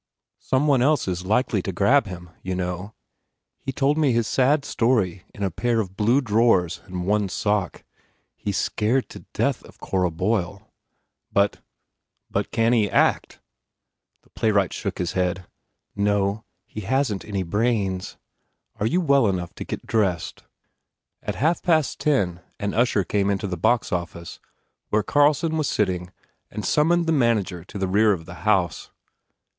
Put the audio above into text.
Some one else is likely to grab him, you know? He told me his sad story in a pair of blue drawers and one sock. He s scared to death of Cora Boyle." "But can he act?" The playwright shook his head. "No. He hasn t any brains. Are you well enough to get dressed?" At half past ten an usher came into the box office where Carlson was sitting and summoned the manager to the rear of the house.